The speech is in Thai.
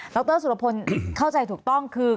รสุรพลเข้าใจถูกต้องคือ